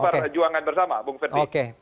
perjuangan bersama bung ferdie